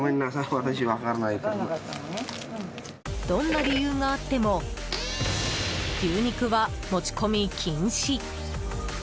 どんな理由があっても牛肉は持ち込み禁止。